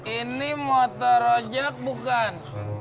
ini motor ojak bukan